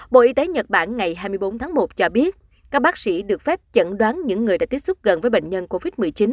bộ y tế nhật bản ngày hai mươi bốn tháng một cho biết các bác sĩ được phép chẩn đoán những người đã tiếp xúc gần với bệnh nhân covid một mươi chín